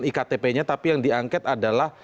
iktp nya tapi yang diangket adalah